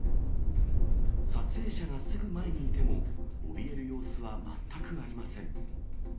撮影者がすぐ前にいても、おびえる様子は全くありません。